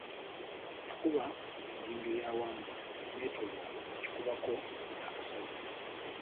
N'akuba ennyindo ya Wambwa nga nettolovu n'agikubako n'akasaze.